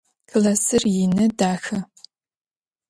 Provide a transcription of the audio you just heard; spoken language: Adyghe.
Классыр ины, дахэ.